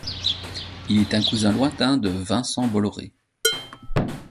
Il est un cousin lointain de Vincent Bolloré.